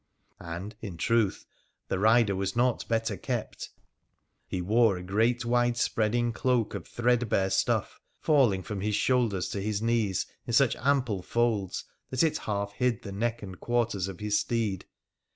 And, in truth, the rider was not better kept. He wore a great widespreading cloak of threadbare stuff, falling from his shoulders to his knees in such ample folds that it half hid the neck and quarters of his steed.